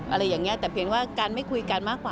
อะไรอย่างนี้แต่เพียงว่าการไม่คุยกันมากกว่า